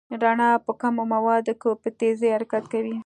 رڼا په کمو موادو کې په تېزۍ حرکت کوي.